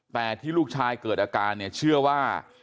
แต่ที่ลูกชายเกิดอาการเนี่ยเชื่อว่า